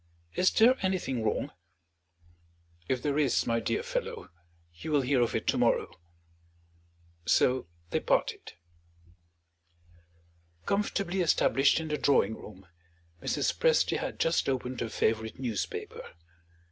Is there anything wrong?" "If there is, my dear fellow, you will hear of it tomorrow." So they parted. Comfortably established in the drawing room, Mrs. Presty had just opened her favorite newspaper.